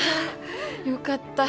よかった。